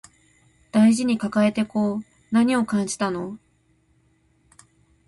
大事に抱えてこう何を感じたの